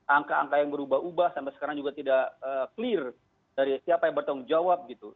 angka angka yang berubah ubah sampai sekarang juga tidak clear dari siapa yang bertanggung jawab gitu